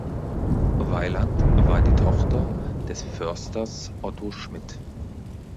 Weiland war die Tochter des Försters Otto Schmidt.